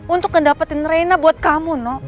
untuk mendapatkan reina untuk kamu nol